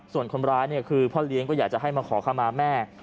ส่วนคนร้ายเนี่ยคือพ่อเลี้ยงก็อยากจะให้มาขอเข้ามาแม่